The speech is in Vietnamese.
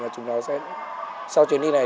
mà chúng cháu sẽ sau chuyến đi này